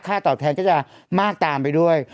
ตอบแทนก็จะมากตามไปด้วย